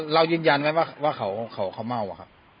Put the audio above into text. เรายืนยันไว้ว่าเขาเมาอะครับ